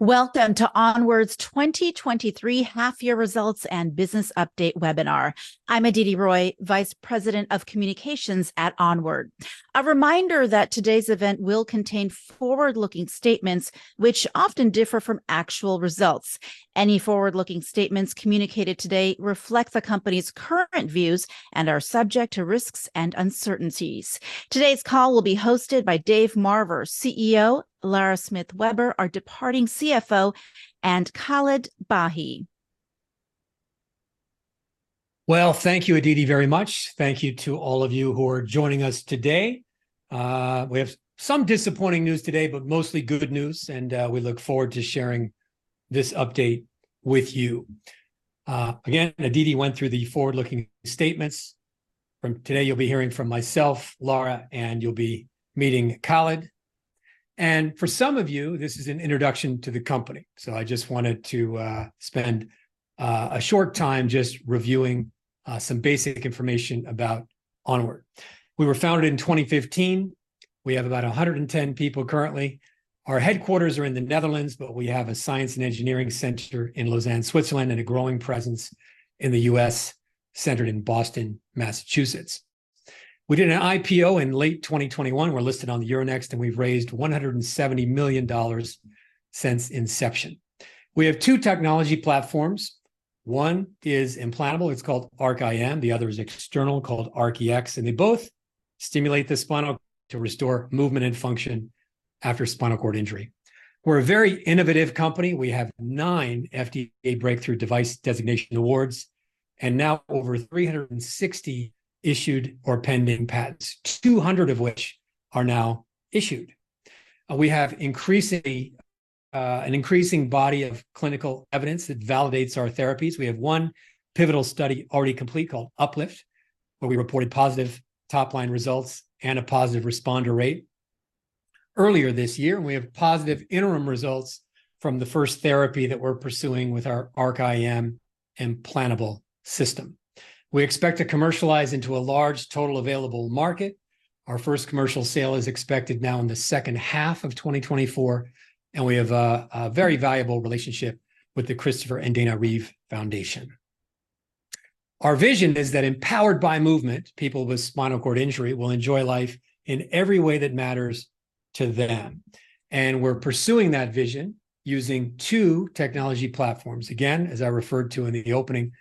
Welcome to Onward's 2023 half-year results and business update webinar. I'm Aditi Roy, Vice President of Communications at Onward. A reminder that today's event will contain forward-looking statements which often differ from actual results. Any forward-looking statements communicated today reflect the company's current views and are subject to risks and uncertainties. Today's call will be hosted by Dave Marver, CEO, Lara Smith-Weber, our departing CFO, and Khaled Bahi. Well, thank you, Aditi, very much. Thank you to all of you who are joining us today. We have some disappointing news today, but mostly good news, and we look forward to sharing this update with you. Again, Aditi went through the forward-looking statements. From today, you'll be hearing from myself, Lara, and you'll be meeting Khaled. And for some of you, this is an introduction to the company, so I just wanted to spend a short time just reviewing some basic information about ONWARD. We were founded in 2015. We have about 110 people currently. Our headquarters are in the Netherlands, but we have a science and engineering center in Lausanne, Switzerland, and a growing presence in the US, centered in Boston, Massachusetts. We did an IPO in late 2021. We're listed on the Euronext, and we've raised $170 million since inception. We have two technology platforms: one is implantable, it's called ARC-IM, the other is external, called ARC-EX, and they both stimulate the spinal to restore movement and function after spinal cord injury. We're a very innovative company. We have nine FDA Breakthrough Device Designation Awards, and now over 360 issued or pending patents, 200 of which are now issued. We have increasingly, an increasing body of clinical evidence that validates our therapies. We have one pivotal study already complete, called Up-LIFT, where we reported positive top-line results and a positive responder rate. Earlier this year, we have positive interim results from the first therapy that we're pursuing with our ARC-IM implantable system. We expect to commercialize into a large total available market. Our first commercial sale is expected now in the second half of 2024, and we have a very valuable relationship with the Christopher and Dana Reeve Foundation. Our vision is that, empowered by movement, people with spinal cord injury will enjoy life in every way that matters to them, and we're pursuing that vision using two technology platforms. Again, as I referred to in the opening,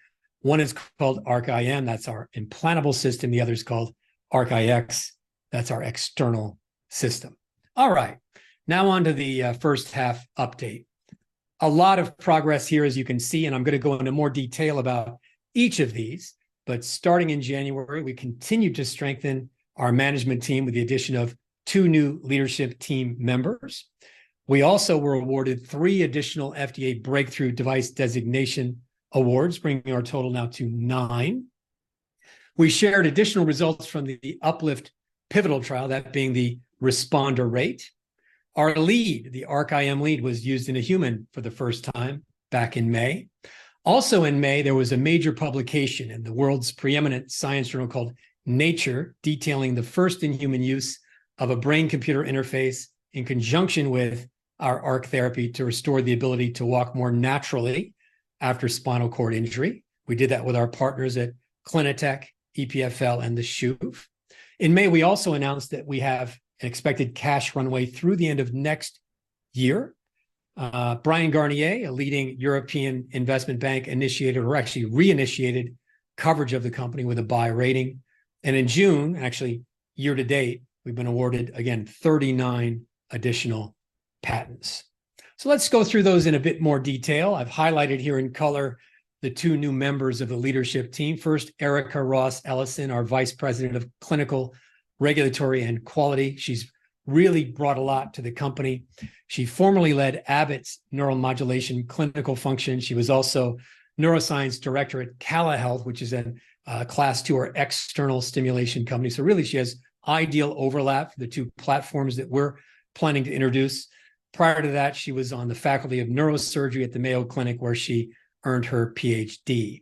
one is called ARC-IM, that's our implantable system, the other is called ARC-EX, that's our external system. All right, now on to the first half update. A lot of progress here, as you can see, and I'm going to go into more detail about each of these, but starting in January, we continued to strengthen our management team with the addition of two new leadership team members. We also were awarded three additional FDA Breakthrough Device Designation Awards, bringing our total now to nine. We shared additional results from the Up-LIFT pivotal trial, that being the responder rate. Our lead, the ARC-IM lead, was used in a human for the first time back in May. Also in May, there was a major publication in the world's pre-eminent science journal, called Nature, detailing the first in human use of a brain-computer interface in conjunction with our ARC therapy to restore the ability to walk more naturally after spinal cord injury. We did that with our partners at Clinatec, EPFL, and the CHUV. In May, we also announced that we have an expected cash runway through the end of next year. Bryan Garnier, a leading European investment bank, initiated, or actually reinitiated, coverage of the company with a buy rating. In June, actually, year to date, we've been awarded again 39 additional patents. So let's go through those in a bit more detail. I've highlighted here in color the two new members of the leadership team. First, Erica Ross-Ellison, our Vice President of Clinical, Regulatory, and Quality. She's really brought a lot to the company. She formerly led Abbott's neuromodulation clinical function. She was also neuroscience director at Cala Health, which is an class II or external stimulation company, so really, she has ideal overlap for the two platforms that we're planning to introduce. Prior to that, she was on the faculty of neurosurgery at the Mayo Clinic, where she earned her PhD.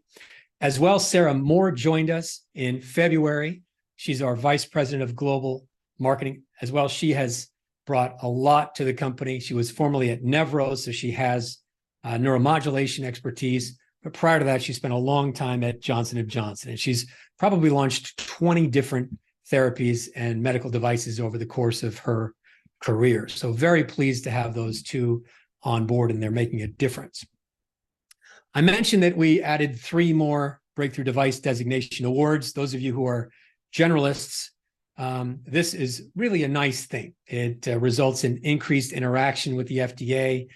As well, Sarah Moore joined us in February. She's our Vice President of Global Marketing. As well, she has brought a lot to the company. She was formerly at Nevro, so she has neuromodulation expertise, but prior to that, she spent a long time at Johnson & Johnson, and she's probably launched 20 different therapies and medical devices over the course of her career. Very pleased to have those two on board, and they're making a difference. I mentioned that we added three more Breakthrough Device Designation Awards. Those of you who are generalists, this is really a nice thing. It results in increased interaction with the FDA,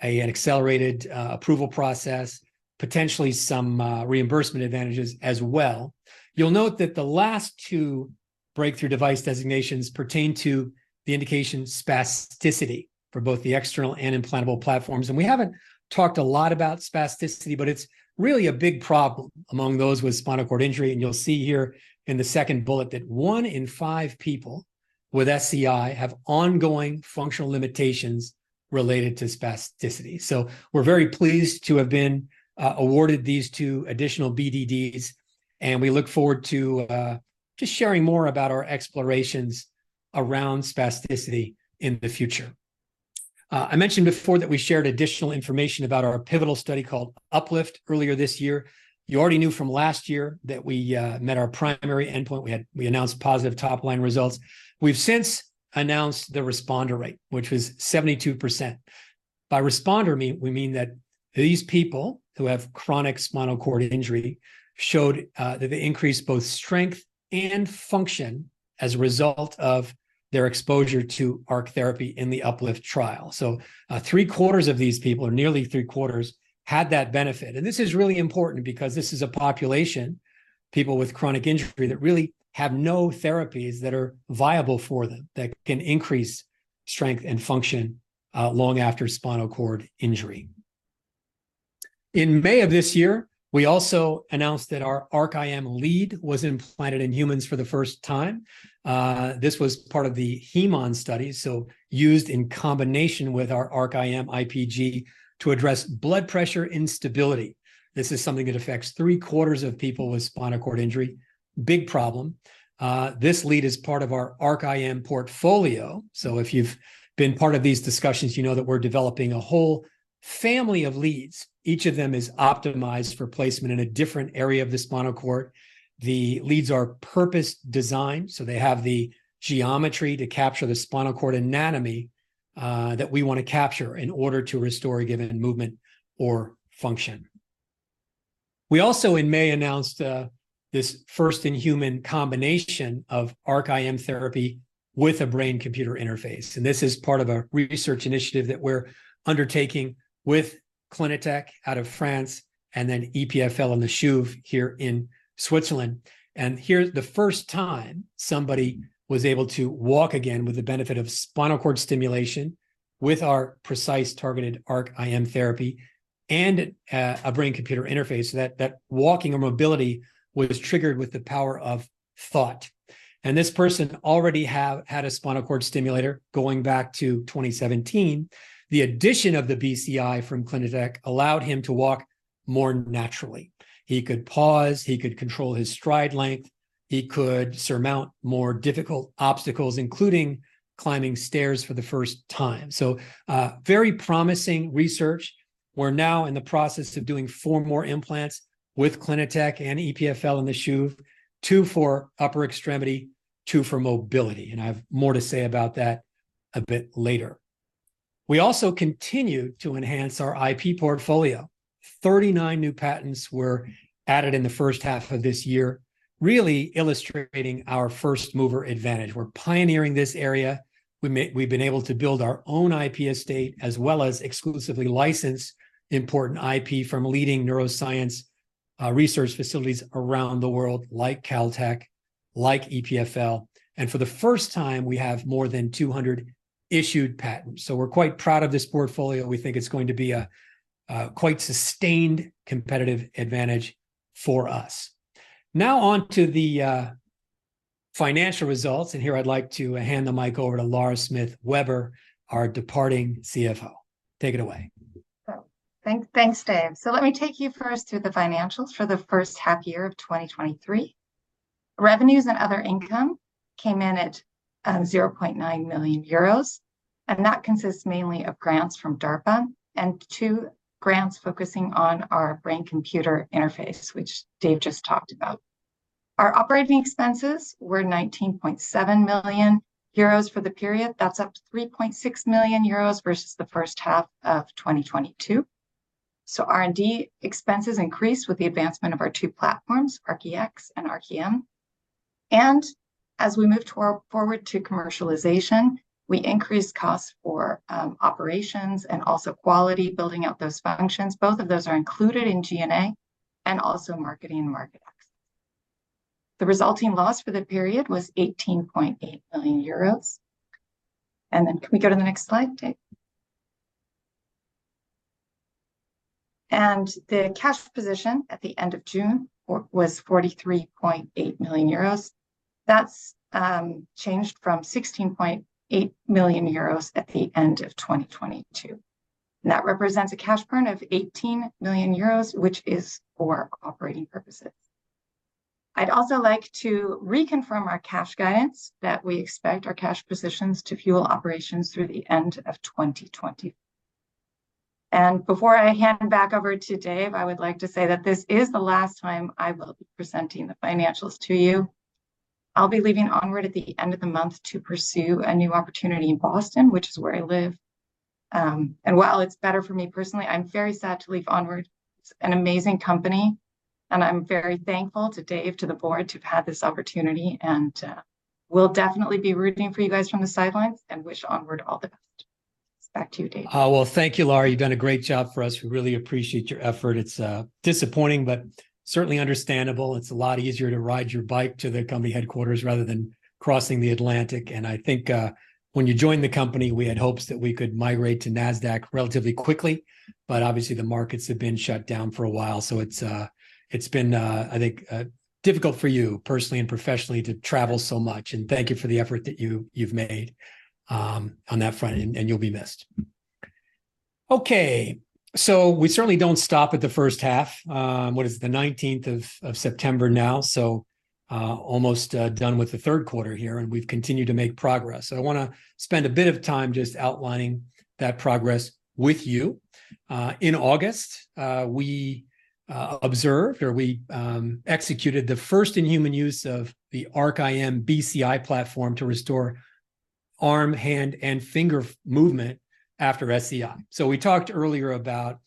an accelerated approval process, potentially some reimbursement advantages as well. You'll note that the last two Breakthrough Device Designations pertain to the indication spasticity for both the external and implantable platforms, and we haven't talked a lot about spasticity, but it's really a big problem among those with spinal cord injury. You'll see here in the second bullet that one in five people with SCI have ongoing functional limitations related to spasticity. So we're very pleased to have been awarded these two additional BDDs and we look forward to just sharing more about our explorations around spasticity in the future. I mentioned before that we shared additional information about our pivotal study called Up-LIFT earlier this year. You already knew from last year that we met our primary endpoint. We announced positive top-line results. We've since announced the responder rate, which was 72%. By responder, we mean that these people who have chronic spinal cord injury showed that they increased both strength and function as a result of their exposure to Arc therapy in the UPLIFT trial. So, three-quarters of these people, or nearly three-quarters, had that benefit. This is really important because this is a population, people with chronic injury, that really have no therapies that are viable for them, that can increase strength and function long after spinal cord injury. In May of this year, we also announced that our ARC-IM lead was implanted in humans for the first time. This was part of the HEMO study, so used in combination with our ARC-IM IPG to address blood pressure instability. This is something that affects three-quarters of people with spinal cord injury. Big problem. This lead is part of our ARC-IM portfolio. So if you've been part of these discussions, you know that we're developing a whole family of leads. Each of them is optimized for placement in a different area of the spinal cord. The leads are purpose-designed, so they have the geometry to capture the spinal cord anatomy that we want to capture in order to restore a given movement or function. We also, in May, announced this first-in-human combination of ARC-IM therapy with a brain-computer interface, and this is part of a research initiative that we're undertaking with Clinatec out of France, and then EPFL and the CHUV here in Switzerland. And here, the first time somebody was able to walk again with the benefit of spinal cord stimulation, with our precise targeted ARC-IM therapy and a brain-computer interface, that walking or mobility was triggered with the power of thought. And this person already had a spinal cord stimulator going back to 2017. The addition of the BCI from Clinatec allowed him to walk more naturally. He could pause, he could control his stride length, he could surmount more difficult obstacles, including climbing stairs for the first time. So, very promising research. We're now in the process of doing four more implants with Clinatec and EPFL and the CHUV, two for upper extremity, two for mobility, and I have more to say about that a bit later. We also continued to enhance our IP portfolio. 39 new patents were added in the first half of this year, really illustrating our first-mover advantage. We're pioneering this area. We've been able to build our own IP estate, as well as exclusively license important IP from leading neuroscience research facilities around the world, like Caltech, like EPFL, and for the first time, we have more than 200 issued patents. So we're quite proud of this portfolio. We think it's going to be a quite sustained competitive advantage for us. Now on to the financial results, and here I'd like to hand the mic over to Lara Smith-Weber, our departing CFO. Take it away. So thanks, thanks, Dave. So let me take you first through the financials for the first half year of 2023. Revenues and other income came in at 0.9 million euros, and that consists mainly of grants from DARPA and two grants focusing on our brain-computer interface, which Dave just talked about. Our operating expenses were 19.7 million euros for the period. That's up 3.6 million euros versus the first half of 2022. So R&D expenses increased with the advancement of our two platforms, ARC-EX and ARC-IM. And as we move forward to commercialization, we increased costs for operations and also quality, building out those functions. Both of those are included in G&A and also marketing and market access. The resulting loss for the period was 18.8 million euros. Can we go to the next slide, Dave? The cash position at the end of June was 43.8 million euros. That's changed from 16.8 million euros at the end of 2022. And that represents a cash burn of 18 million euros, which is for operating purposes. I'd also like to reconfirm our cash guidance, that we expect our cash positions to fuel operations through the end of 2020. And before I hand it back over to Dave, I would like to say that this is the last time I will be presenting the financials to you. I'll be leaving ONWARD at the end of the month to pursue a new opportunity in Boston, which is where I live. And while it's better for me personally, I'm very sad to leave ONWARD. It's an amazing company, and I'm very thankful to Dave, to the board, to have had this opportunity, and will definitely be rooting for you guys from the sidelines and wish ONWARD all the best. Back to you, Dave. Oh, well, thank you, Lara. You've done a great job for us. We really appreciate your effort. It's disappointing, but certainly understandable. It's a lot easier to ride your bike to the company headquarters rather than crossing the Atlantic. And I think when you joined the company, we had hopes that we could migrate to Nasdaq relatively quickly, but obviously, the markets have been shut down for a while. So it's been difficult for you, personally and professionally, to travel so much. And thank you for the effort that you've made on that front, and you'll be missed.... Okay, so we certainly don't stop at the first half. What is it, the 19th of September now, so almost done with the third quarter here, and we've continued to make progress. So I wanna spend a bit of time just outlining that progress with you. In August, we observed, or we executed the first in-human use of the ARC-IM BCI platform to restore arm, hand, and finger movement after SCI. So we talked earlier about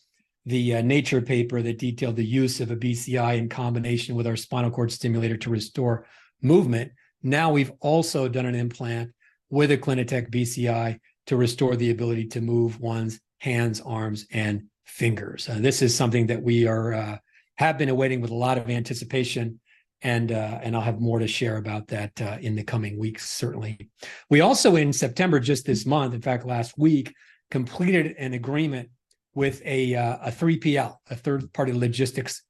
the Nature paper that detailed the use of a BCI in combination with our spinal cord stimulator to restore movement. Now, we've also done an implant with a Clinatec BCI to restore the ability to move one's hands, arms, and fingers. And this is something that we have been awaiting with a lot of anticipation, and I'll have more to share about that in the coming weeks, certainly. We also, in September, just this month, in fact, last week, completed an agreement with a, a 3PL, a third-party logistics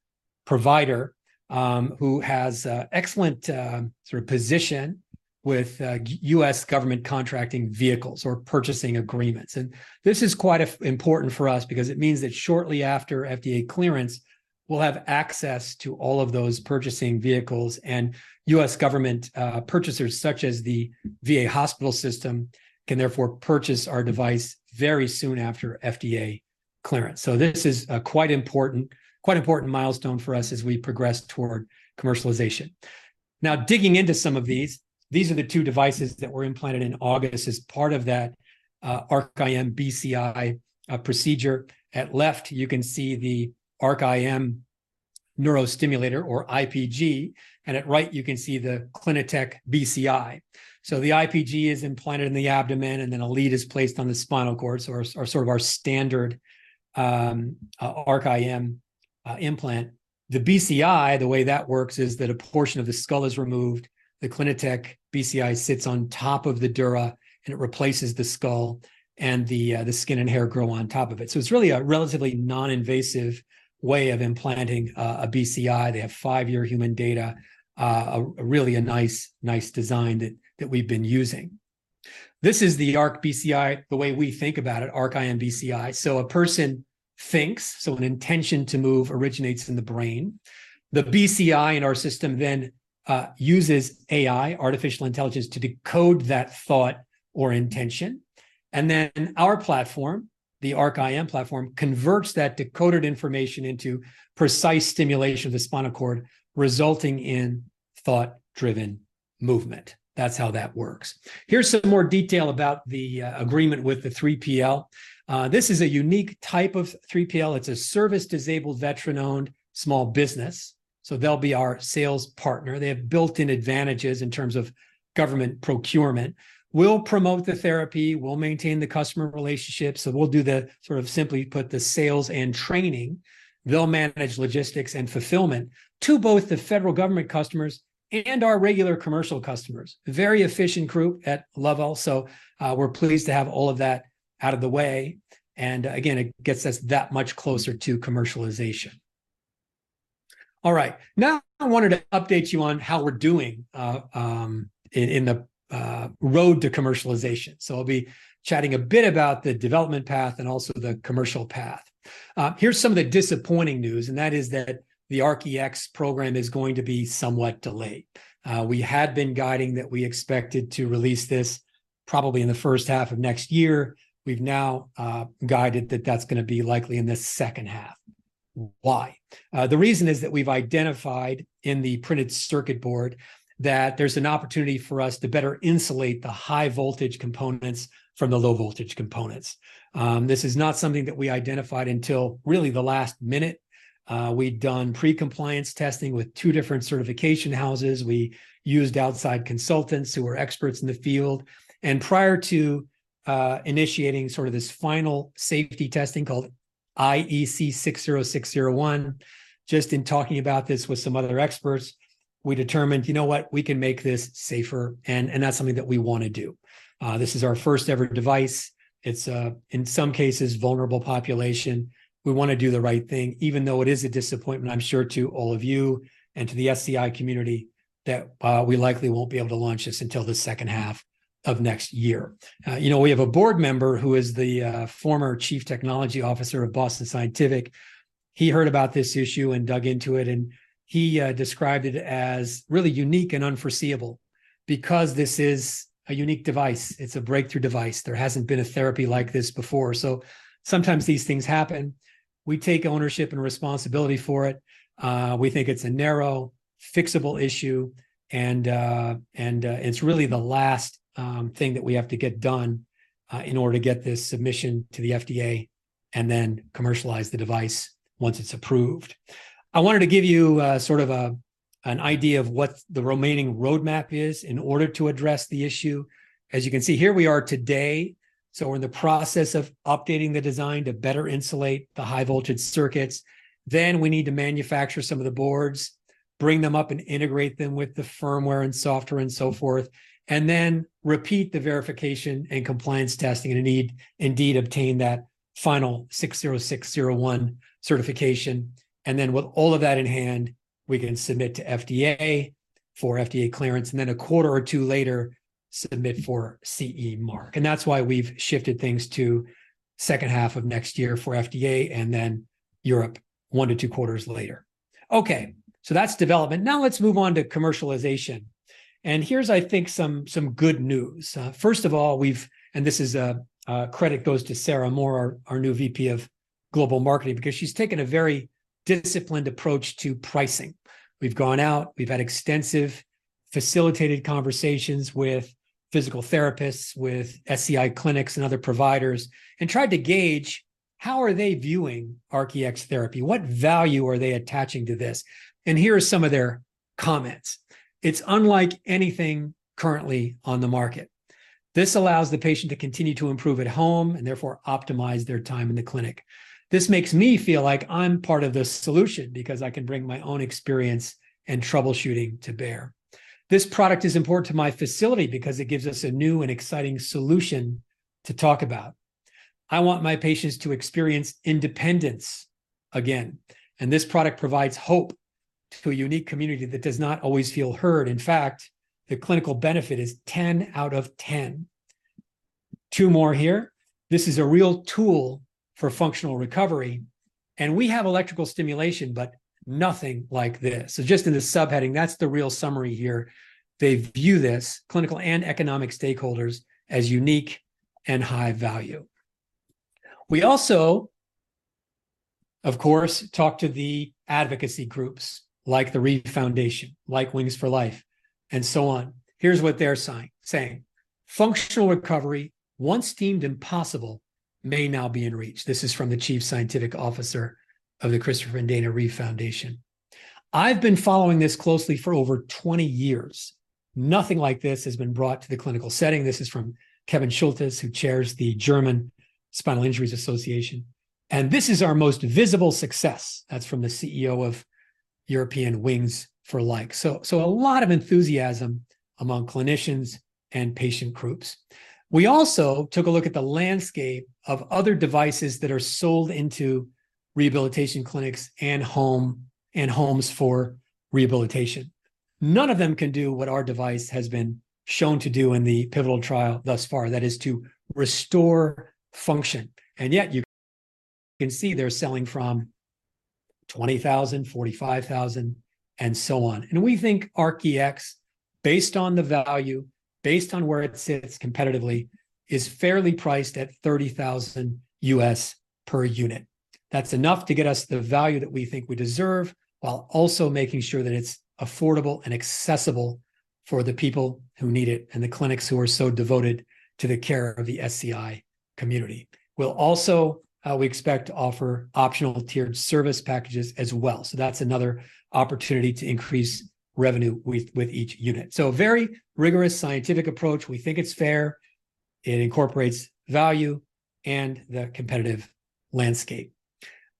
provider, who has, excellent, sort of position with, US government contracting vehicles or purchasing agreements. And this is quite important for us because it means that shortly after FDA clearance, we'll have access to all of those purchasing vehicles, and US. government, purchasers, such as the VA hospital system, can therefore purchase our device very soon after FDA clearance. So this is a quite important, quite important milestone for us as we progress toward commercialization. Now, digging into some of these, these are the two devices that were implanted in August as part of that, ARC-IM BCI, procedure. At left, you can see the ARC-IM neurostimulator, or IPG, and at right, you can see the Clinatec BCI. So the IPG is implanted in the abdomen, and then a lead is placed on the spinal cord, so sort of our standard ARC-IM implant. The BCI, the way that works is that a portion of the skull is removed. The Clinatec BCI sits on top of the dura, and it replaces the skull, and the skin and hair grow on top of it. So it's really a relatively non-invasive way of implanting a BCI. They have five-year human data, a really nice design that we've been using. This is the ARC-BCI, the way we think about it, ARC-IM BCI. So a person thinks, an intention to move originates in the brain. The BCI in our system then uses AI, artificial intelligence, to decode that thought or intention. And then our platform, the ARC-IM platform, converts that decoded information into precise stimulation of the spinal cord, resulting in thought-driven movement. That's how that works. Here's some more detail about the agreement with the 3PL. This is a unique type of 3PL. It's a service-disabled, veteran-owned small business, so they'll be our sales partner. They have built-in advantages in terms of government procurement. We'll promote the therapy, we'll maintain the customer relationships, so we'll do the sort of simply put the sales and training. They'll manage logistics and fulfillment to both the federal government customers and our regular commercial customers. A very efficient group at Lovell, so we're pleased to have all of that out of the way, and again, it gets us that much closer to commercialization. All right. Now, I wanted to update you on how we're doing in the road to commercialization. So I'll be chatting a bit about the development path and also the commercial path. Here's some of the disappointing news, and that is that the ARC-EX program is going to be somewhat delayed. We had been guiding that we expected to release this probably in the first half of next year. We've now guided that that's gonna be likely in the second half. Why? The reason is that we've identified in the printed circuit board that there's an opportunity for us to better insulate the high-voltage components from the low-voltage components. This is not something that we identified until really the last minute. We'd done pre-compliance testing with two different certification houses. We used outside consultants who are experts in the field. Prior to initiating sort of this final safety testing, called IEC 60601, just in talking about this with some other experts, we determined, "You know what? We can make this safer," and that's something that we wanna do. This is our first-ever device. It's a, in some cases, vulnerable population. We wanna do the right thing, even though it is a disappointment, I'm sure, to all of you and to the SCI community, that we likely won't be able to launch this until the second half of next year. You know, we have a board member who is the former Chief Technology Officer of Boston Scientific. He heard about this issue and dug into it, and he described it as really unique and unforeseeable because this is a unique device. It's a breakthrough device. There hasn't been a therapy like this before, so sometimes these things happen. We take ownership and responsibility for it. We think it's a narrow, fixable issue, and it's really the last thing that we have to get done in order to get this submission to the FDA and then commercialize the device once it's approved. I wanted to give you sort of an idea of what the remaining roadmap is in order to address the issue. As you can see, here we are today, so we're in the process of updating the design to better insulate the high-voltage circuits. Then, we need to manufacture some of the boards, bring them up, and integrate them with the firmware and software and so forth, and then repeat the verification and compliance testing, and indeed, indeed obtain that final IEC 60601 certification. And then with all of that in hand, we can submit to FDA for FDA clearance, and then a quarter or two later, submit for CE Mark. That's why we've shifted things to second half of next year for FDA and then Europe, 1-2 quarters later. Okay, so that's development. Now let's move on to commercialization, and here's, I think, some good news. First of all, we've and this is credit goes to Sarah Moore, our new VP of Global Marketing, because she's taken a very disciplined approach to pricing. We've gone out, we've had extensive facilitated conversations with physical therapists, with SCI clinics and other providers, and tried to gauge how are they viewing ARC-EX therapy? What value are they attaching to this? And here are some of their comments: "It's unlike anything currently on the market. This allows the patient to continue to improve at home and therefore optimize their time in the clinic. This makes me feel like I'm part of the solution because I can bring my own experience and troubleshooting to bear. This product is important to my facility because it gives us a new and exciting solution to talk about. I want my patients to experience independence again, and this product provides hope to a unique community that does not always feel heard. In fact, the clinical benefit is 10 out of 10. Two more here: "This is a real tool for functional recovery, and we have electrical stimulation, but nothing like this." So just in the subheading, that's the real summary here. They view this, clinical and economic stakeholders, as unique and high value. We also, of course, talk to the advocacy groups like the Reeve Foundation, like Wings for Life, and so on. Here's what they're saying: "Functional recovery, once deemed impossible, may now be in reach." This is from the Chief Scientific Officer of the Christopher and Dana Reeve Foundation. "I've been following this closely for over 20 years. Nothing like this has been brought to the clinical setting." This is from Kevin Schultes, who chairs the German Spinal Injuries Association. "And this is our most visible success." That's from the CEO of European Wings for Life. So a lot of enthusiasm among clinicians and patient groups. We also took a look at the landscape of other devices that are sold into rehabilitation clinics and home, and homes for rehabilitation. None of them can do what our device has been shown to do in the pivotal trial thus far, that is, to restore function. And yet, you can see they're selling from $20,000, $45,000, and so on. And we think ARC-EX, based on the value, based on where it sits competitively, is fairly priced at $30,000 per unit. That's enough to get us the value that we think we deserve, while also making sure that it's affordable and accessible for the people who need it and the clinics who are so devoted to the care of the SCI community. We'll also, we expect to offer optional tiered service packages as well, so that's another opportunity to increase revenue with, with each unit. So a very rigorous scientific approach. We think it's fair. It incorporates value and the competitive landscape.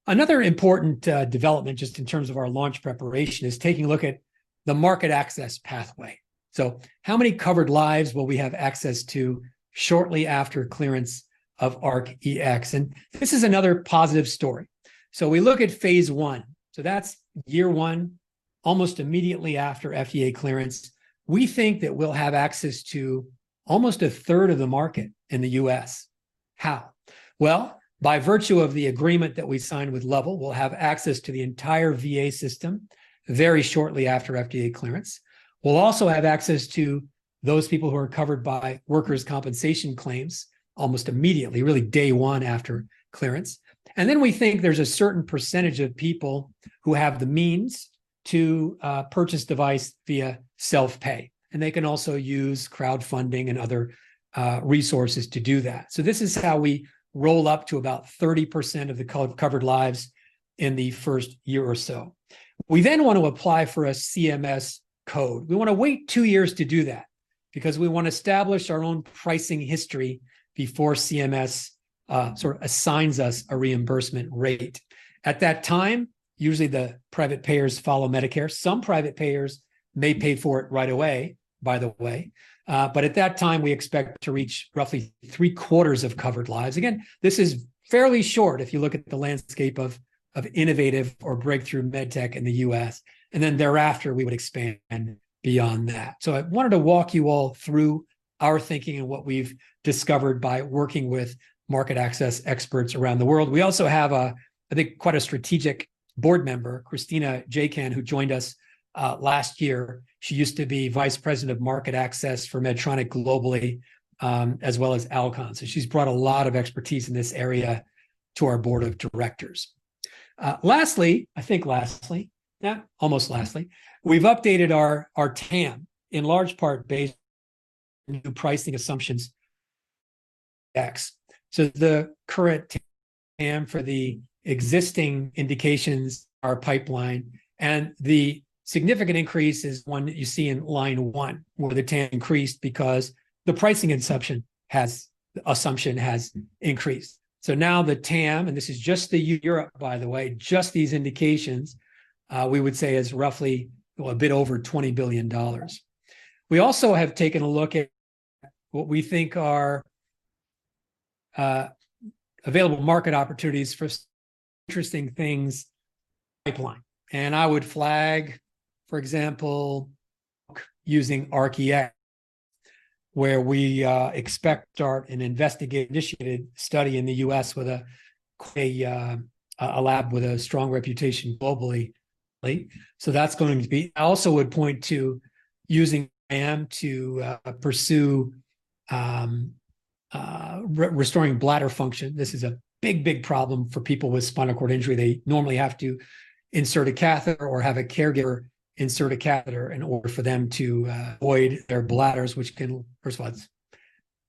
Another important development, just in terms of our launch preparation, is taking a look at the market access pathway. So how many covered lives will we have access to shortly after clearance of ARC-EX? And this is another positive story. So we look at phase one, so that's year one, almost immediately after FDA clearance. We think that we'll have access to almost a third of the market in the US How? Well, by virtue of the agreement that we signed with Lovell, we'll have access to the entire VA system very shortly after FDA clearance. We'll also have access to those people who are covered by workers' compensation claims almost immediately, really day one after clearance. Then we think there's a certain percentage of people who have the means to purchase device via self-pay, and they can also use crowdfunding and other resources to do that. So this is how we roll up to about 30% of the co-covered lives in the first year or so. We then want to apply for a CMS code. We want to wait two years to do that, because we want to establish our own pricing history before CMS sort of assigns us a reimbursement rate. At that time, usually, the private payers follow Medicare. Some private payers may pay for it right away, by the way, but at that time, we expect to reach roughly three-quarters of covered lives. Again, this is fairly short if you look at the landscape of innovative or breakthrough medtech in the US, and then thereafter, we would expand beyond that. So I wanted to walk you all through our thinking and what we've discovered by working with market access experts around the world. We also have, I think, quite a strategic board member, Khristina Akundova, who joined us last year. She used to be Vice President of Market Access for Medtronic globally, as well as Alcon. So she's brought a lot of expertise in this area to our board of directors. Lastly, I think lastly, yeah, almost lastly, we've updated our TAM, in large part based on the pricing assumptions X. The current TAM for the existing indications, our pipeline, and the significant increase is one that you see in line one, where the TAM increased because the pricing assumption has increased. Now the TAM, and this is just Europe, by the way, just these indications, we would say is roughly a bit over $20 billion. We also have taken a look at what we think are available market opportunities for interesting things pipeline. I would flag, for example, using ARC-EX, where we expect to start an investigator-initiated study in the US with a lab with a strong reputation globally. I also would point to using IM to pursue restoring bladder function. This is a big, big problem for people with spinal cord injury. They normally have to insert a catheter or have a caregiver insert a catheter in order for them to void their bladders, which can, first of all, it's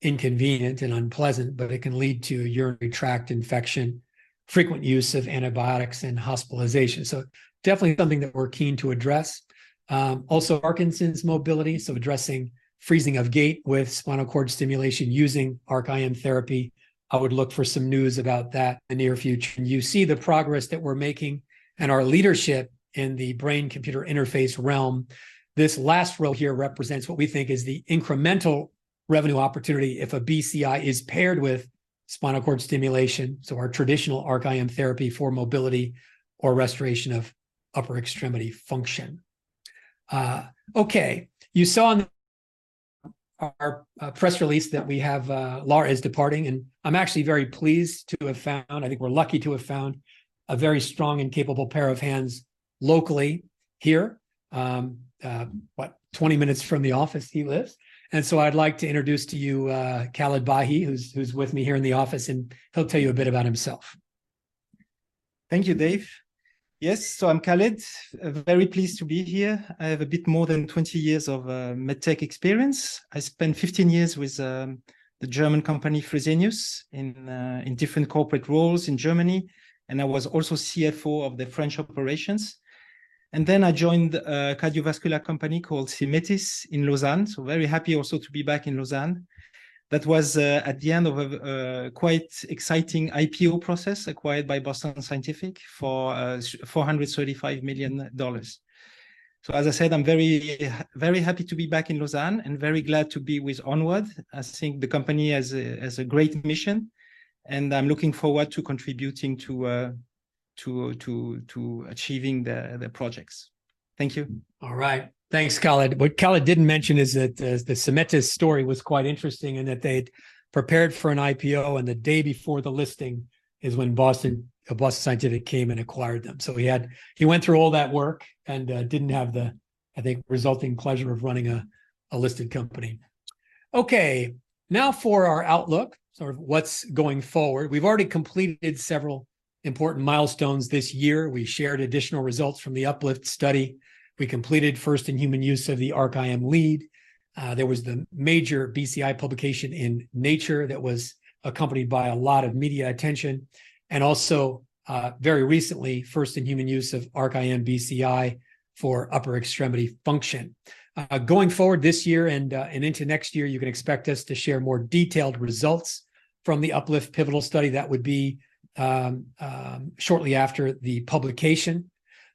inconvenient and unpleasant, but it can lead to urinary tract infection, frequent use of antibiotics, and hospitalization. So definitely something that we're keen to address. Also, Parkinson's mobility, so addressing freezing of gait with spinal cord stimulation using ARC-IM therapy. I would look for some news about that in the near future. And you see the progress that we're making and our leadership in the brain-computer interface realm. This last row here represents what we think is the incremental revenue opportunity if a BCI is paired with spinal cord stimulation, so our traditional ARC-IM therapy for mobility or restoration of upper extremity function. Okay, you saw in our press release that we have, Lara is departing, and I'm actually very pleased to have found, I think we're lucky to have found a very strong and capable pair of hands locally here. What, 20 minutes from the office he lives. And so I'd like to introduce to you, Khaled Bahi, who's, who's with me here in the office, and he'll tell you a bit about himself. Thank you, Dave. Yes, I'm Khaled. Very pleased to be here. I have a bit more than 20 years of medtech experience. I spent 15 years with the German company, Fresenius, in different corporate roles in Germany, and I was also CFO of the French operations. I joined a cardiovascular company called Symetis in Lausanne. Very happy also to be back in Lausanne. That was at the end of a quite exciting IPO process, acquired by Boston Scientific for $435 million. As I said, I'm very, very happy to be back in Lausanne and very glad to be with ONWARD. I think the company has a great mission, and I'm looking forward to contributing to achieving the projects. Thank you. All right. Thanks, Khaled. What Khaled didn't mention is that the Symetis story was quite interesting, in that they'd prepared for an IPO, and the day before the listing is when Boston Scientific came and acquired them. So he went through all that work and didn't have the, I think, resulting pleasure of running a listed company. Okay, now for our outlook, sort of what's going forward. We've already completed several important milestones this year. We shared additional results from the Up-LIFT study. We completed first-in-human use of the ARC-IM lead. There was the major BCI publication in Nature that was accompanied by a lot of media attention, and also very recently, first-in-human use of ARC-IM BCI for upper extremity function. Going forward this year and into next year, you can expect us to share more detailed results from the Up-LIFT pivotal study. That would be shortly after the publication.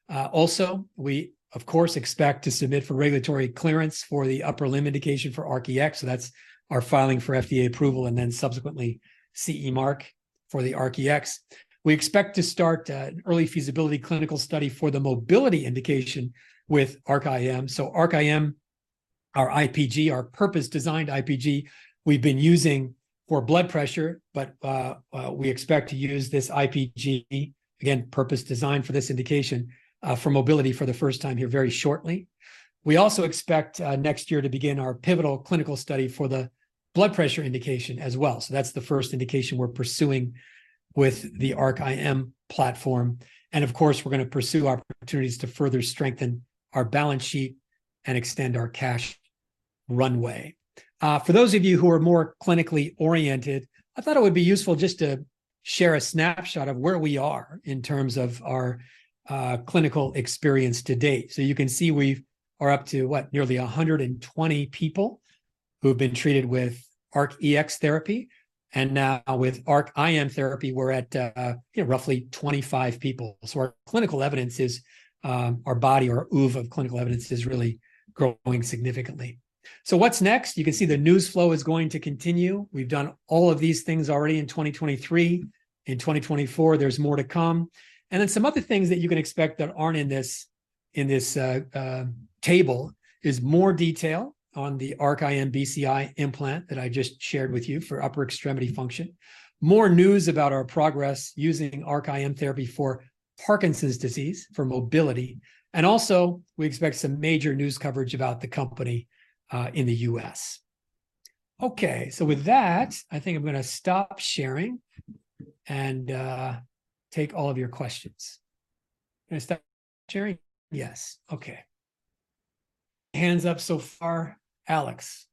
Also, we, of course, expect to submit for regulatory clearance for the upper limb indication for ARC-EX, so that's our filing for FDA approval and then subsequently CE Mark for the ARC-EX. We expect to start an early feasibility clinical study for the mobility indication with ARC-IM. So ARC-IM, our IPG, our purpose-designed IPG, we've been using for blood pressure, but we expect to use this IPG, again, purpose-designed for this indication, for mobility for the first time here very shortly. We also expect next year to begin our pivotal clinical study for the blood pressure indication as well. That's the first indication we're pursuing with the ARC-IM platform, and of course, we're going to pursue opportunities to further strengthen our balance sheet and extend our cash runway. For those of you who are more clinically oriented, I thought it would be useful just to share a snapshot of where we are in terms of our clinical experience to date. You can see we've—are up to, what? Nearly 120 people who have been treated with ARC-EX therapy, and now with ARC-IM therapy, we're at, you know, roughly 25 people. Our clinical evidence is, you know, our body or oeuvre of clinical evidence is really growing significantly. What's next? You can see the news flow is going to continue. We've done all of these things already in 2023. In 2024, there's more to come. And then some other things that you can expect that aren't in this table is more detail on the ARC-IM BCI implant that I just shared with you for upper extremity function. More news about our progress using ARC-IM therapy for Parkinson's disease, for mobility, and also, we expect some major news coverage about the company in the US Okay, so with that, I think I'm going to stop sharing and take all of your questions. Can I stop sharing? Yes. Okay. Hands up so far, Alex.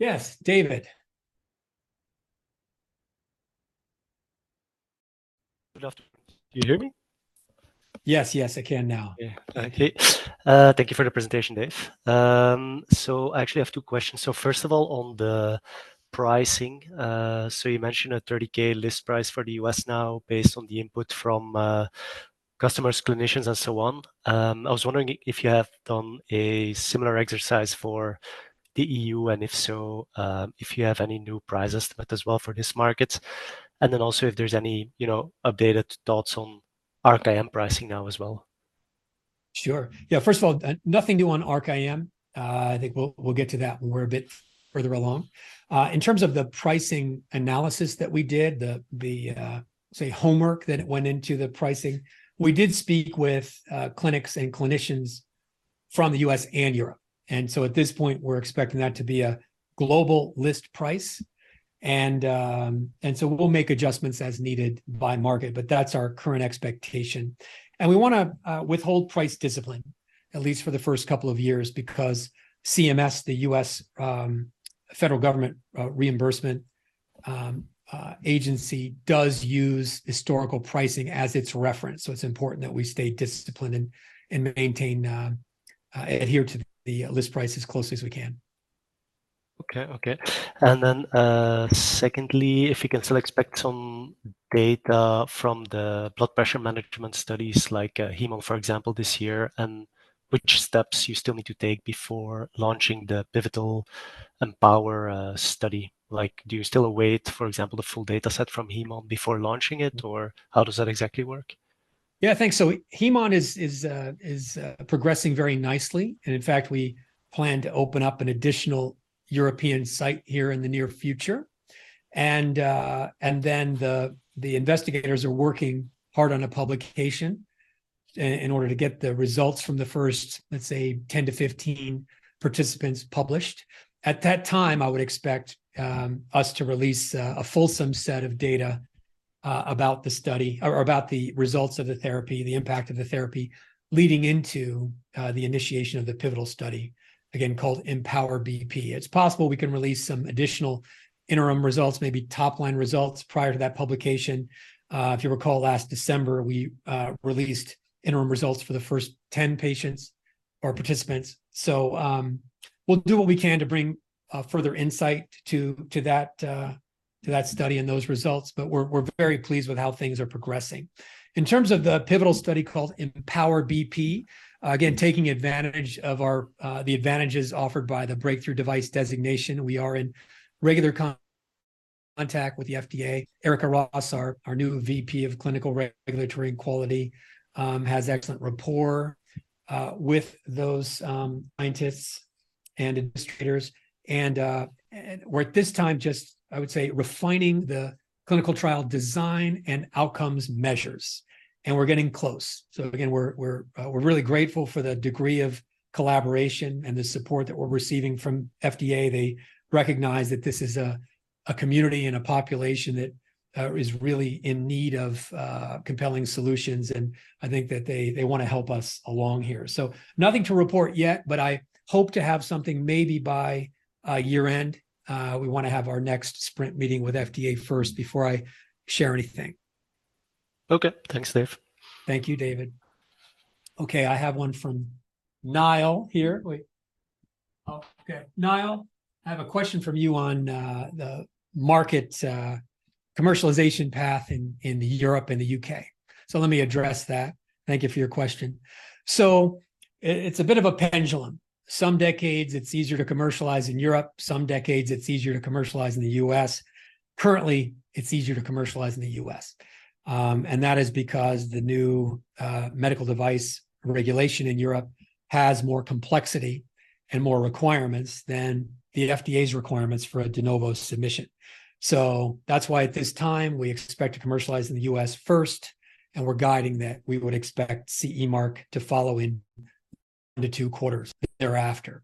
Yes, David. Good afternoon. Can you hear me? Yes, yes, I can now. Yeah. Okay, thank you for the presentation, Dave. I actually have two questions. First of all, on the pricing, you mentioned a $30,000 list price for the US now, based on the input from customers, clinicians, and so on. I was wondering if you have done a similar exercise for the EU, and if so, if you have any new price estimate as well for this market. And then also if there's any, you know, updated thoughts on ARC-IM pricing now as well. Sure. Yeah, first of all, nothing new on ARC-IM. I think we'll get to that when we're a bit further along. In terms of the pricing analysis that we did, the say homework that went into the pricing, we did speak with clinics and clinicians from the US and Europe. And so at this point, we're expecting that to be a global list price. And so we'll make adjustments as needed by market, but that's our current expectation. And we wanna withhold price discipline, at least for the first couple of years, because CMS, the US federal government reimbursement agency, does use historical pricing as its reference. So it's important that we stay disciplined and maintain adhere to the list price as closely as we can. Okay. And then, if you can still expect some data from the blood pressure management studies like, like, HEMO, for example, this year, and which steps you still need to take before launching the pivotal EMPOWER study. Like, do you still await, for example, the full data set from HEMO before launching it, or how does that exactly work? Yeah, thanks. So HEMO is progressing very nicely, and in fact, we plan to open up an additional European site here in the near future. And then the investigators are working hard on a publication in order to get the results from the first, let's say, 10-15 participants published. At that time, I would expect us to release a fulsome set of data about the study, or about the results of the therapy, the impact of the therapy, leading into the initiation of the pivotal study, again, called EmpowerBP. It's possible we can release some additional interim results, maybe top-line results, prior to that publication. If you recall, last December, we released interim results for the first 10 patients or participants. So, we'll do what we can to bring further insight to that study and those results, but we're very pleased with how things are progressing. In terms of the pivotal study called EmpowerBP, again, taking advantage of the advantages offered by the breakthrough device designation, we are in regular contact with the FDA. Erica Ross, our new VP of Clinical Regulatory and Quality, has excellent rapport with those scientists and administrators. And we're at this time just, I would say, refining the clinical trial design and outcomes measures, and we're getting close. So again, we're really grateful for the degree of collaboration and the support that we're receiving from FDA. They recognize that this is a community and a population that is really in need of compelling solutions, and I think that they wanna help us along here. So nothing to report yet, but I hope to have something maybe by year-end. We wanna have our next sprint meeting with FDA first before I share anything. Okay. Thanks, Dave. Thank you, David. Okay, I have one from Niall here. Wait. Oh, okay. Niall, I have a question from you on the market, commercialization path in Europe and the US Let me address that. Thank you for your question. It's a bit of a pendulum. Some decades, it's easier to commercialize in Europe, some decades, it's easier to commercialize in the US Currently, it's easier to commercialize in the US. That is because the new medical device regulation in Europe has more complexity and more requirements than the FDA's requirements for a de novo submission. That's why, at this time, we expect to commercialize in the US first, and we're guiding that we would expect CE mark to follow in one to two quarters thereafter.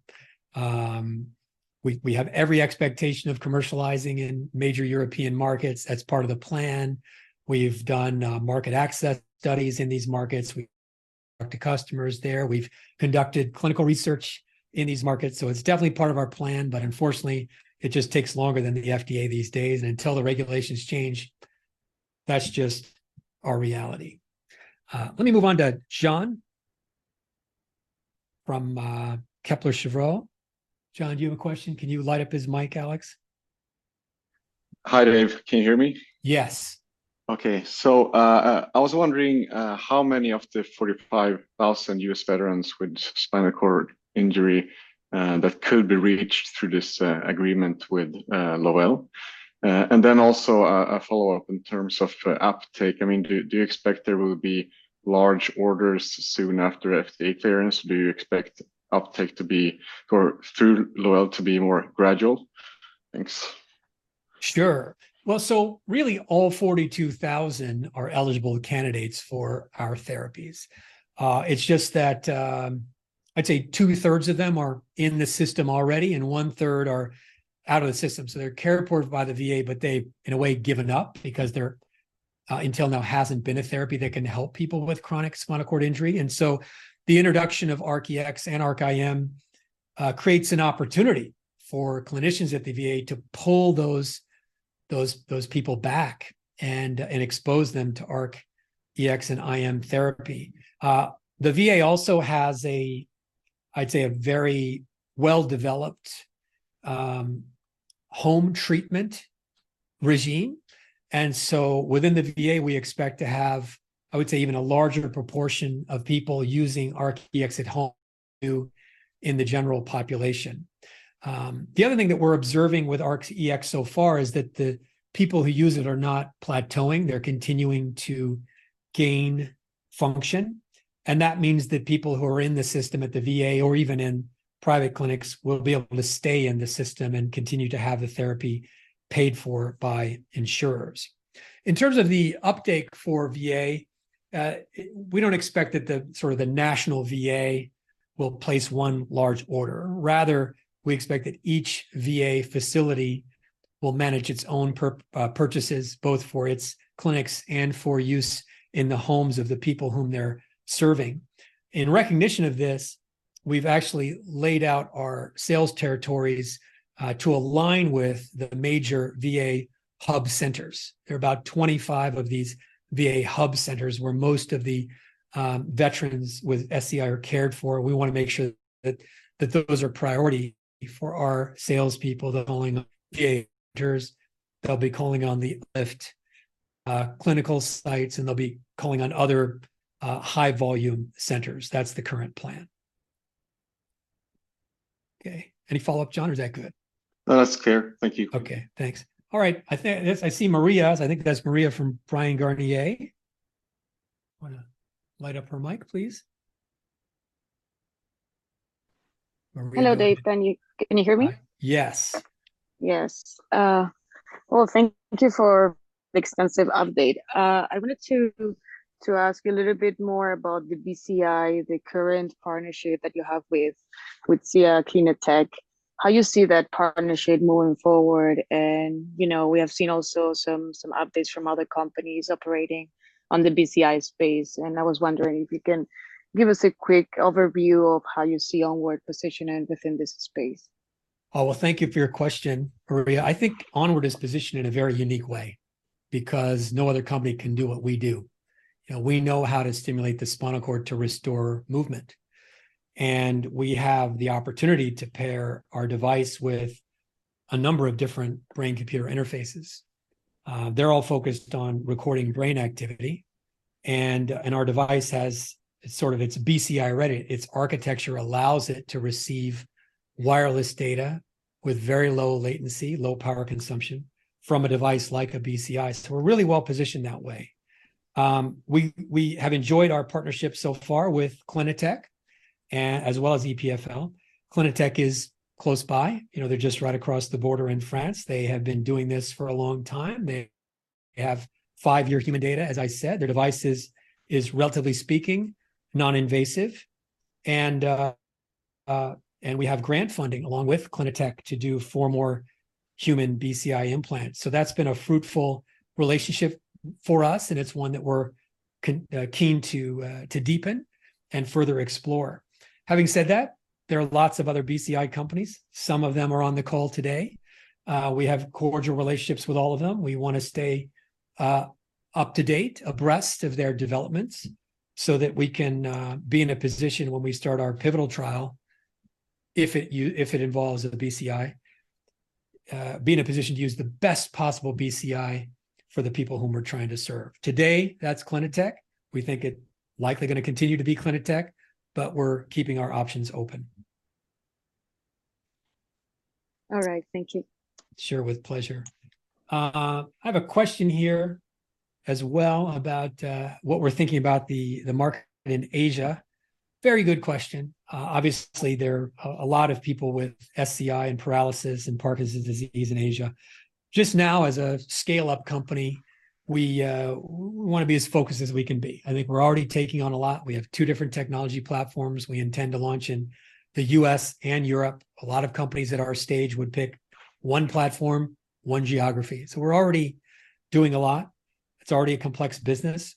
We have every expectation of commercializing in major European markets. That's part of the plan. We've done market access studies in these markets. We talked to customers there. We've conducted clinical research in these markets, so it's definitely part of our plan, but unfortunately, it just takes longer than the FDA these days, and until the regulations change, that's just our reality. Let me move on to John from Kepler Cheuvreux. John, do you have a question? Can you light up his mic, Alex? Hi, Dave. Can you hear me? Yes. Okay, so, I was wondering, how many of the 45,000 US veterans with spinal cord injury that could be reached through this agreement with Lovell? And then also a follow-up in terms of uptake. I mean, do you expect there will be large orders soon after FDA clearance? Do you expect uptake to be, or through Lovell, to be more gradual? Thanks. Sure. Well, really all 42,000 are eligible candidates for our therapies. I'd say two-thirds of them are in the system already, and one-third are out of the system. They're cared for by the VA, but they've, in a way, given up because there hasn't been a therapy that can help people with chronic spinal cord injury until now. The introduction of ARC-EX and ARC-IM creates an opportunity for clinicians at the VA to pull those people back and expose them to ARC-EX and IM therapy. The VA also has a very well-developed home treatment regime, and within the VA, we expect to have, I would say, even a larger proportion of people using ARC-EX at home than we do in the general population. The other thing that we're observing with ARC-EX so far is that the people who use it are not plateauing. They're continuing to gain function, and that means that people who are in the system at the VA or even in private clinics will be able to stay in the system and continue to have the therapy paid for by insurers. In terms of the update for VA, we don't expect that the national VA will place one large order. Rather, we expect that each VA facility will manage its own purchases, both for its clinics and for use in the homes of the people whom they're serving. In recognition of this, we've actually laid out our sales territories to align with the major VA hub centers. There are about 25 of these VA hub centers, where most of the veterans with SCI are cared for. We want to make sure that, that those are priority for our salespeople. They'll be calling on VA centers, they'll be calling on the lift clinical sites, and they'll be calling on other high-volume centers. That's the current plan. Okay, any follow-up, John, or is that good? No, that's clear. Thank you. Okay, thanks. All right, I think... Yes, I see Maria. I think that's Maria from Bryan Garnier. Want to light up her mic, please? Maria- Hello, Dave. Can you, can you hear me? Yes. Yes. Well, thank you for the extensive update. I wanted to ask you a little bit more about the BCI, the current partnership that you have with Clinatec, how you see that partnership moving forward, and, you know, we have seen also some updates from other companies operating on the BCI space, and I was wondering if you can give us a quick overview of how you see ONWARD positioning within this space. Oh, well, thank you for your question, Maria. I think ONWARD is positioned in a very unique way because no other company can do what we do. You know, we know how to stimulate the spinal cord to restore movement, and we have the opportunity to pair our device with a number of different brain-computer interfaces. They're all focused on recording brain activity, and, and our device has sort of, it's BCI-ready. Its architecture allows it to receive wireless data with very low latency, low power consumption from a device like a BCI, so we're really well positioned that way. We, we have enjoyed our partnership so far with Clinatec, as well as EPFL. Clinatec is close by. You know, they're just right across the border in France. They have been doing this for a long time. They have five-year human data. As I said, their device is relatively speaking, non-invasive, and we have grant funding, along with Clinatec, to do four more human BCI implants. So that's been a fruitful relationship for us, and it's one that we're keen to deepen and further explore. Having said that, there are lots of other BCI companies. Some of them are on the call today. We have cordial relationships with all of them. We want to stay up to date, abreast of their developments, so that we can be in a position when we start our pivotal trial, if it involves a BCI, be in a position to use the best possible BCI for the people whom we're trying to serve. Today, that's Clinatec. We think it likely gonna continue to be Clinatec, but we're keeping our options open. All right. Thank you. Sure, with pleasure. I have a question here as well about, what we're thinking about the, the market in Asia. Very good question. Obviously, there are a lot of people with SCI and paralysis and Parkinson's disease in Asia. Just no w, as a scale-up company, we, we want to be as focused as we can be. I think we're already taking on a lot. We have two different technology platforms we intend to launch in the US and Europe. A lot of companies at our stage would pick one platform, one geography, so we're already doing a lot. It's already a complex business.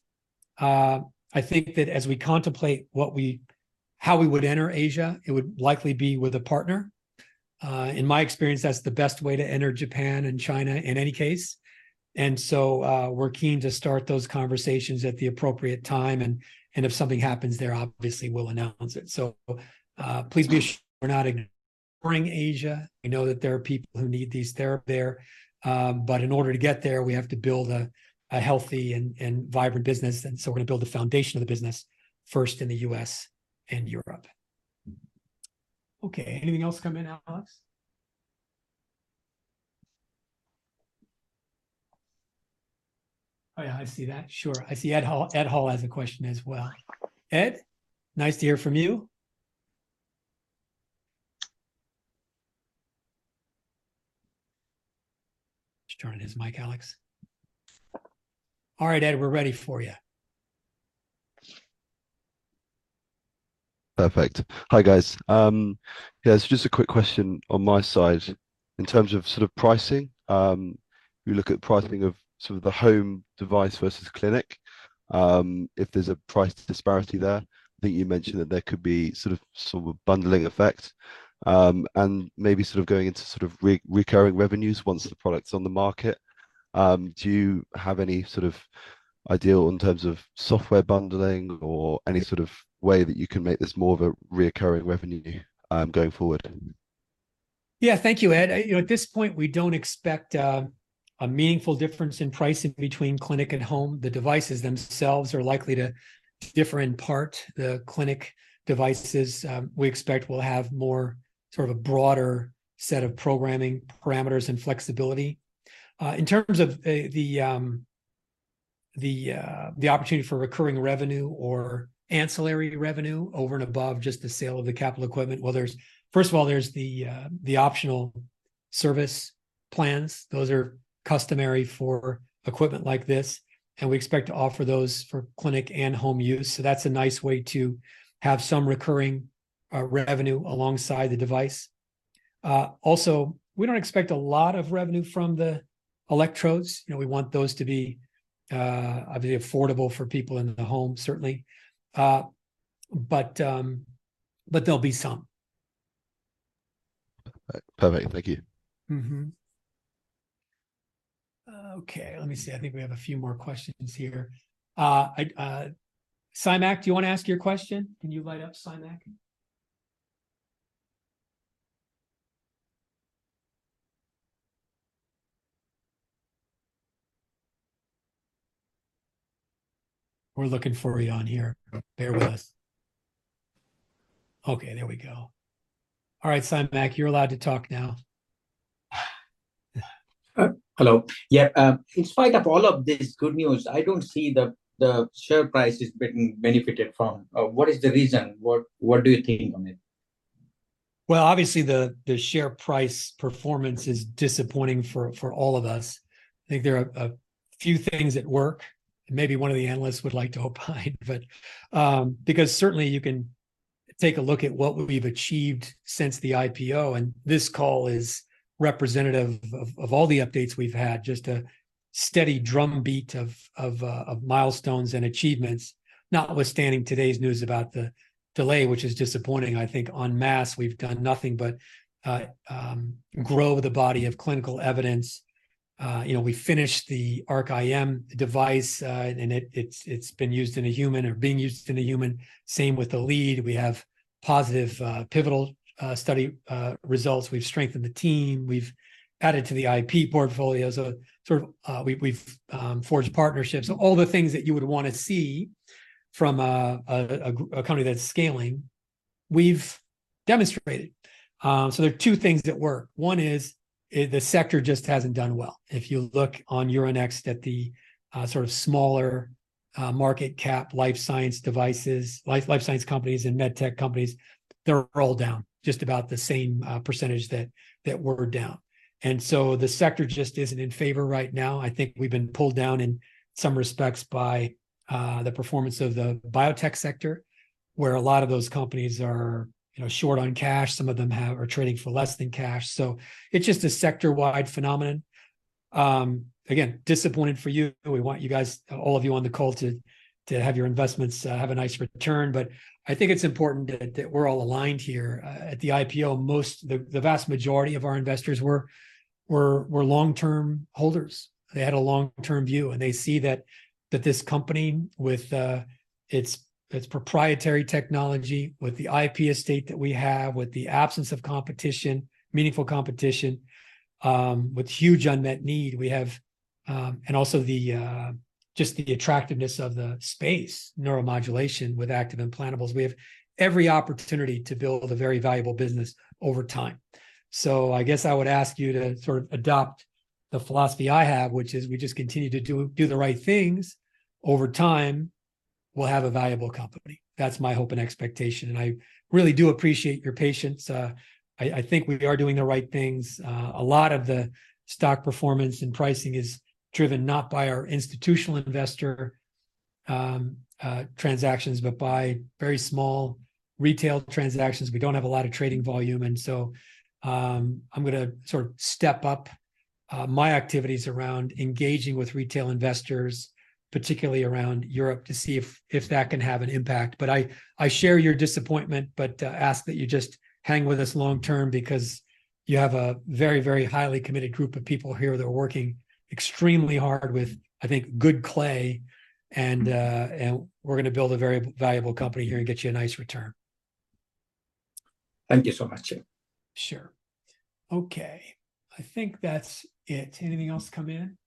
I think that as we contemplate what we... how we would enter Asia, it would likely be with a partner. In my experience, that's the best way to enter Japan and China in any case, and so, we're keen to start those conversations at the appropriate time, and if something happens there, obviously, we'll announce it. So, please be assured we're not ignoring Asia. We know that there are people who need this therapy there, but in order to get there, we have to build a healthy and vibrant business, and so we're going to build the foundation of the business first in the US and Europe. Okay, anything else come in, Alex? Oh yeah, I see that. Sure. I see Ed Hall. Ed Hall has a question as well. Ed, nice to hear from you. Just turning his mic, Alex. All right, Ed, we're ready for you. Perfect. Hi, guys. Yeah, so just a quick question on my side. In terms of sort of pricing, if you look at pricing of sort of the home device versus clinic, if there's a price disparity there, I think you mentioned that there could be sort of a bundling effect, and maybe sort of going into sort of recurring revenues once the product's on the market. Do you have any sort of idea in terms of software bundling or any sort of way that you can make this more of a recurring revenue going forward?... Yeah, thank you, Ed. You know, at this point, we don't expect a meaningful difference in pricing between clinic and home. The devices themselves are likely to differ in part. The clinic devices, we expect will have more, sort of a broader set of programming parameters and flexibility. In terms of the opportunity for recurring revenue or ancillary revenue over and above just the sale of the capital equipment, well, first of all, there's the optional service plans. Those are customary for equipment like this, and we expect to offer those for clinic and home use, so that's a nice way to have some recurring revenue alongside the device. Also, we don't expect a lot of revenue from the electrodes. You know, we want those to be obviously affordable for people in the home, certainly. But there'll be some. Perfect. Thank you. Mm-hmm. Okay, let me see. I think we have a few more questions here. I, Saimak, do you want to ask your question? Can you light up, Saimak? We're looking for you on here. Bear with us. Okay, there we go. All right, Saimak, you're allowed to talk now. Hello. Yeah, in spite of all of this good news, I don't see the share price has been benefited from. What is the reason? What do you think on it? Well, obviously, the share price performance is disappointing for all of us. I think there are a few things at work, and maybe one of the analysts would like to opine. But because certainly you can take a look at what we've achieved since the IPO, and this call is representative of all the updates we've had, just a steady drumbeat of milestones and achievements. Not withstanding today's news about the delay, which is disappointing, I think en masse, we've done nothing but grow the body of clinical evidence. You know, we finished the ARC-IM device, and it's been used in a human or being used in a human. Same with the lead. We have positive pivotal study results. We've strengthened the team. We've added to the IP portfolio as a sort of... We've forged partnerships. All the things that you would want to see from a company that's scaling, we've demonstrated. There are two things at work. One is, the sector just hasn't done well. If you look on Euronext at the sort of smaller market cap, life science devices, life science companies and med tech companies, they're all down, just about the same percentage that we're down. The sector just isn't in favor right now. I think we've been pulled down in some respects by the performance of the biotech sector, where a lot of those companies are, you know, short on cash. Some of them are trading for less than cash. It's just a sector-wide phenomenon. Again, disappointed for you. We want you guys, all of you on the call, to have your investments have a nice return. I think it's important that we're all aligned here. At the IPO, the vast majority of our investors were long-term holders. They had a long-term view, and they see that this company, with its proprietary technology, with the IP estate that we have, with the absence of meaningful competition, with huge unmet need, we have... Also, just the attractiveness of the space, neuromodulation, with active implantables. We have every opportunity to build a very valuable business over time. So I guess I would ask you to sort of adopt the philosophy I have, which is we just continue to do the right things, over time, we'll have a valuable company. That's my hope and expectation, and I really do appreciate your patience. I think we are doing the right things. A lot of the stock performance and pricing is driven not by our institutional investor transactions, but by very small retail transactions. We don't have a lot of trading volume, and so, I'm gonna sort of step up my activities around engaging with retail investors, particularly around Europe, to see if that can have an impact. But I share your disappointment, but ask that you just hang with us long term because you have a very, very highly committed group of people here that are working extremely hard with, I think, good clay. And, and we're gonna build a very valuable company here and get you a nice return. Thank you so much. Sure. Okay, I think that's it. Anything else come in?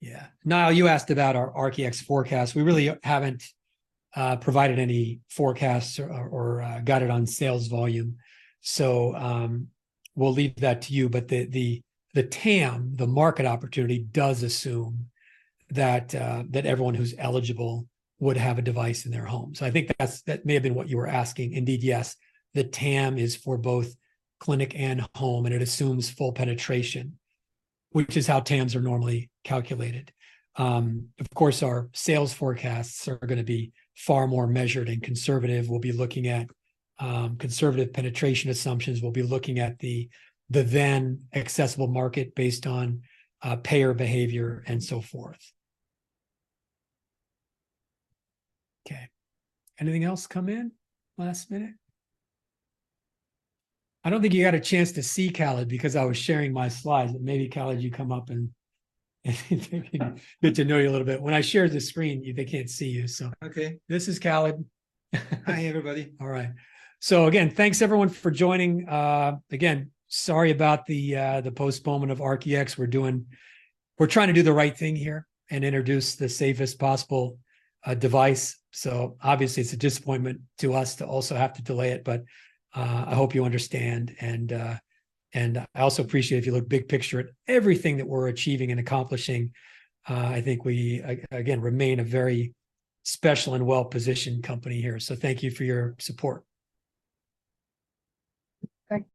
Yeah. Yeah. Niall, you asked about our ARC-EX forecast. We really haven't provided any forecasts or guided on sales volume. So, we'll leave that to you. But the TAM, the market opportunity, does assume that everyone who's eligible would have a device in their home. So I think that's what you were asking. Indeed, yes, the TAM is for both clinic and home, and it assumes full penetration, which is how TAMs are normally calculated. Of course, our sales forecasts are gonna be far more measured and conservative. We'll be looking at conservative penetration assumptions. We'll be looking at the then accessible market based on payer behavior and so forth. Okay, anything else come in last minute? I don't think you had a chance to see Khaled, because I was sharing my slides, but maybe, Khaled, you come up and good to know you a little bit. When I share the screen, you, they can't see you, so okay. This is Khaled. Hi, everybody. All right. So again, thanks, everyone, for joining. Again, sorry about the postponement of ARC-EX. We're doing—we're trying to do the right thing here and introduce the safest possible device. So obviously, it's a disappointment to us to also have to delay it, but I hope you understand. And I also appreciate if you look big picture at everything that we're achieving and accomplishing. I think we again remain a very special and well-positioned company here. So thank you for your support. Thank you.